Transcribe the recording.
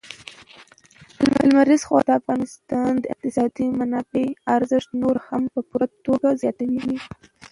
لمریز ځواک د افغانستان د اقتصادي منابعم ارزښت نور هم په پوره توګه زیاتوي.